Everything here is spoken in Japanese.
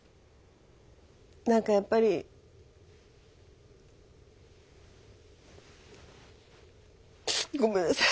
なんかやっぱり。ごめんなさい。